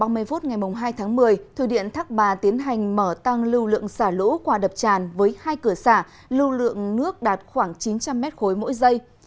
khoảng hai mươi phút ngày hai tháng một mươi thủy điện thác bà tiến hành mở tăng lưu lượng xả lũ qua đập tràn với hai cửa xả lưu lượng nước đạt khoảng chín trăm linh m ba mỗi giây